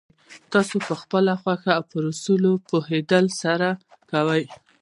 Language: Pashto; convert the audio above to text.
تاسې يې پخپله خوښه او پر اصولو په پوهېدو سره کوئ.